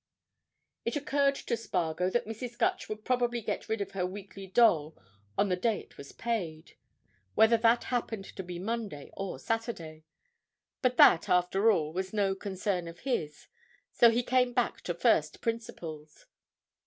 It occurred to Spargo that Mrs. Gutch would probably get rid of her weekly dole on the day it was paid, whether that day happened to be Monday or Saturday, but that, after all, was no concern of his, so he came back to first principles.